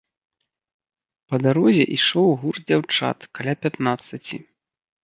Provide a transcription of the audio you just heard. Па дарозе ішоў гурт дзяўчат, каля пятнаццаці.